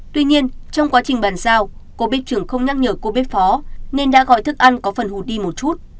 tuy nhiên trong quá trình bàn giao cô bích trưởng không nhắc nhở cô biết phó nên đã gọi thức ăn có phần hụt đi một chút